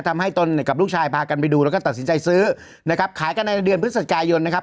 ตนกับลูกชายพากันไปดูแล้วก็ตัดสินใจซื้อนะครับขายกันในเดือนพฤศจิกายนนะครับ